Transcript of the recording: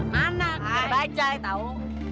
mana mau bajaj tau